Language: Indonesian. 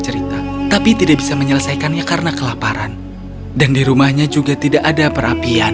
cerita tapi tidak bisa menyelesaikannya karena kelaparan dan di rumahnya juga tidak ada perapian